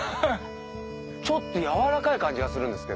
ちょっと柔らかい感じがするんですけど。